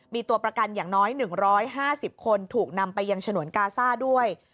มีตัวประกันอย่างน้อย๑๕๐คนถูกนำไปยังฉนวนกาซ่าด้วย